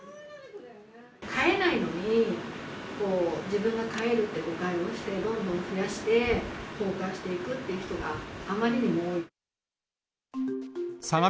飼えないのに、自分が飼えるって誤解して、どんどん増やして崩壊していくっていう人があまりにも多い。